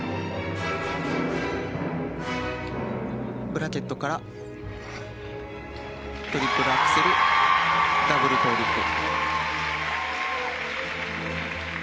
ブラケットからトリプルアクセルダブルトウループ。